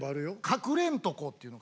かくれんとこっていうの？